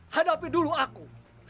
hadapi dulu aku